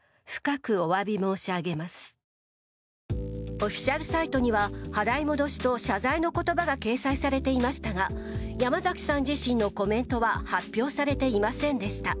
オフィシャルサイトには払い戻しと謝罪の言葉が掲載されていましたが山崎さん自身のコメントは発表されていませんでした。